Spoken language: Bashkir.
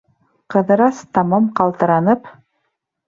Ҡыҙырас, тамам ҡалтыранып: